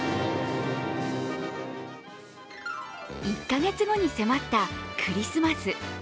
１か月後に迫ったクリスマス。